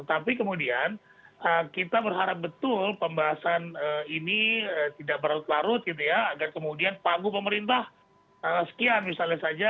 tapi kemudian kita berharap betul pembahasan ini tidak berlarut larut gitu ya agar kemudian pagu pemerintah sekian misalnya saja